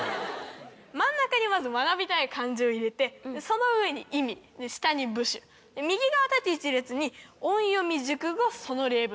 真ん中にまず学びたい漢字を入れてその上に意味下に部首右側縦一列に音読み熟語その例文。